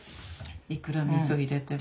いくらみそ入れても。